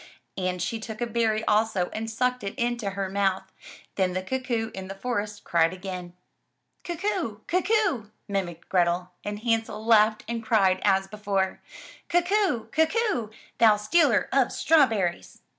And she took a berry also and sucked it into her mouth. Then the cuckoo in the forest cried again. "Cuck oo! Cuck oo! mimicked Grethel, and Hansel laughed and cried as before, "Cuck oo! Cuck oo! thou stealer of straw berries!'